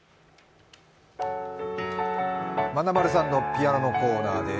まなまるさんのピアノのコーナーです。